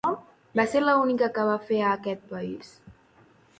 Va ser l'única que va fer a aquest país?